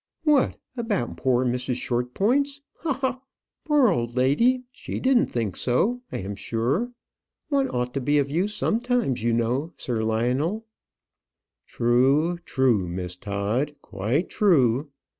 "What! about poor Mrs. Shortpointz? Ha! ha! ha! Poor old lady; she didn't think so, I am sure. One ought to be of use sometimes, you know, Sir Lionel." "True, true, Miss Todd; quite true.